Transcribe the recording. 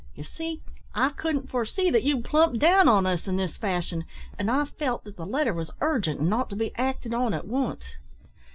Ye see, I couldn't foresee that you'd plump down on us in this fashion, and I felt that the letter was urgent, and ought to be acted on at once."